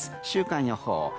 週間予報。